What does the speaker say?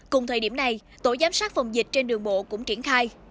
cùng thời điểm này tổ giám sát phòng dịch trên đường bộ cũng triển khai